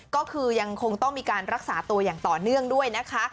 ก็คือยังคงต้องมีการรักษาตัวอย่างต่อเนื่องด้วยนะคะ